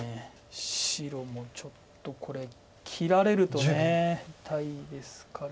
白もちょっとこれ切られると痛いですから。